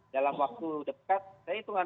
dalam waktu dekat saya hitungan